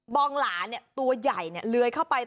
บองหลาเนี่ยตัวใหญ่เนี่ย